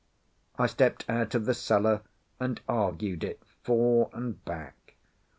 I stepped out of the cellar and argued it fore and back.